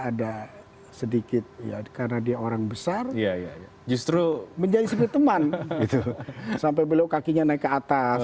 ada sedikit ya karena dia orang besar justru menjadi seperti teman sampai belok kakinya naik ke atas